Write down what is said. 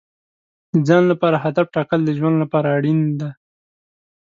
د ځان لپاره هدف ټاکل د ژوند لپاره اړین دي.